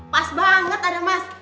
pas banget ada mas